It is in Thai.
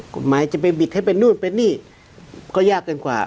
กฎหมายจะไปบิดให้เป็นนู่นเป็นนี่ก็ยากเกินกว่า